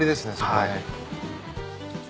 はい。